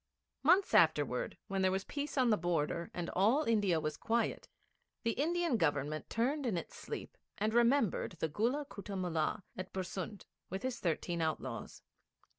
Months afterwards when there was peace on the border, and all India was quiet, the Indian Government turned in its sleep and remembered the Gulla Kutta Mullah at Bersund, with his thirteen outlaws.